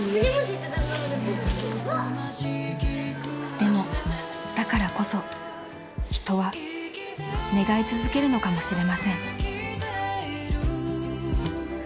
［でもだからこそ人は願い続けるのかもしれません］